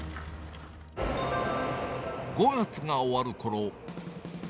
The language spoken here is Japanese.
５月が終わるころ。